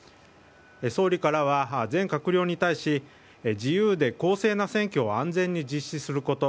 総理からは全閣僚に対し自由で公正な選挙を安全に実施すること